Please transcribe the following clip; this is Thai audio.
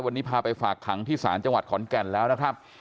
วันนี้พาไปฝากขังที่ศาลจังหวัดขอนแก่นแล้วนะครับ